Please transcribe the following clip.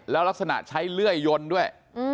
แล้วลักษณะใช้เลื่อยยนด้วย